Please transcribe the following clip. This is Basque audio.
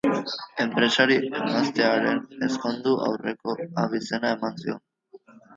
Enpresari emaztearen ezkondu aurreko abizena eman zion.